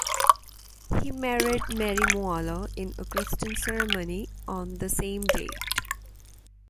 He married Mary Moala in a Christian ceremoniy on the same date.